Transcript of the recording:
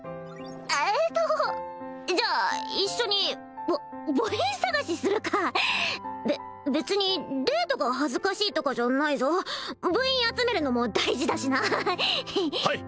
えっとじゃあ一緒にぶ部員探しするかべ別にデートが恥ずかしいとかじゃないぞ部員集めるのも大事だしなはい！